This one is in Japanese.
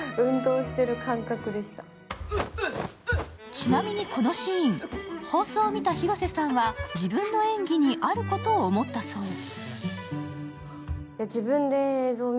ちなみにこのシーン、放送を見た広瀬さんは自分の演技に、あることを思ったそうです。